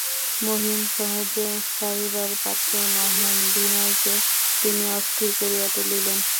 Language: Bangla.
মহিম সহজে ছাড়িবার পাত্র নহেন– বিনয়কে তিনি অস্থির করিয়া তুলিলেন।